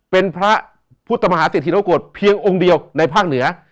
เป็นพระพุทธมหาสิทธิรกฏเพียงองค์เดียวในภาคเหนือ